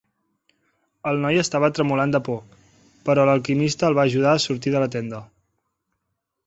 El noi estava tremolant de por, però l'alquimista el va ajudar a sortir de la tenda.